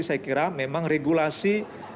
saya kira memang regulasi